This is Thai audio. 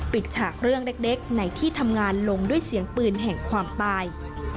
ฉากเรื่องเล็กในที่ทำงานลงด้วยเสียงปืนแห่งความตาย